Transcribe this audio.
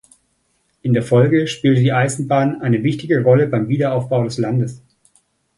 In der Folge spielte die Eisenbahn eine wichtige Rolle beim Wiederaufbau des Landes.